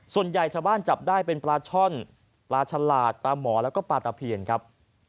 ส่วนใหญ่ชาวบ้านจับได้เป็นปลาช่อนปลาฉลาดปลาหมอแล้วก็ปลาตะเพียนครับ